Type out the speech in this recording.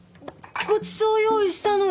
ごちそう用意したのに。